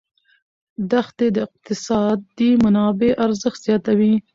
دښتې د اقتصادي منابعو ارزښت زیاتوي.